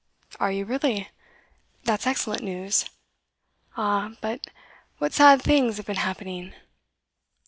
'Are you really? That's excellent news. Ah, but what sad things have been happening!